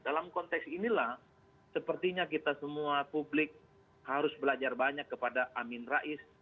dalam konteks inilah sepertinya kita semua publik harus belajar banyak kepada amin rais